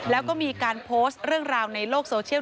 แล้วก็มีการโพสต์เรื่องราวในโลกโซเชียล